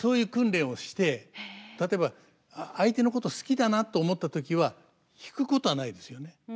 例えば相手のこと好きだなと思った時は引くことはないですよね。